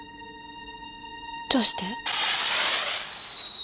どうして？